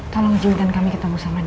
tolong jemputkan kami ketemu sama nino